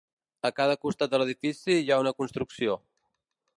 A cada costat de l'edifici hi ha una construcció.